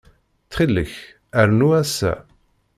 Ttxil-k, rnu ass-a.